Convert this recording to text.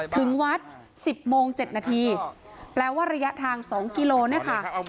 ถึงวัด๑๐โมง๗นาทีแปลว่าระยะทาง๒กิโลกรัม